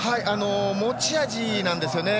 持ち味なんですよね。